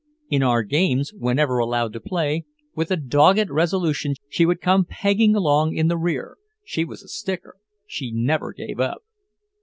In our games, whenever allowed to play, with a dogged resolution she would come pegging along in the rear, she was a sticker, she never gave up.